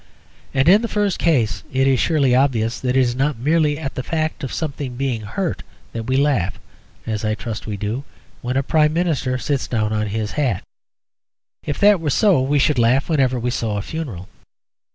And in the first case it is surely obvious that it is not merely at the fact of something being hurt that we laugh (as I trust we do) when a Prime Minister sits down on his hat. If that were so we should laugh whenever we saw a funeral.